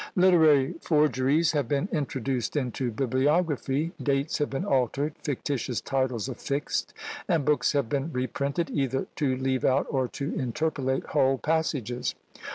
Literary forgeries have been introduced into bibliography; dates have been altered; fictitious titles affixed; and books have been reprinted, either to leave out or to interpolate whole passages!